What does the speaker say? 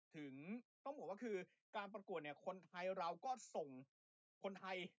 ถึงต้องบอกว่าคือการประกวดเนี่ยคนไทยเราก็ส่งคนไทย